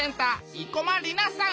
生駒里奈さん。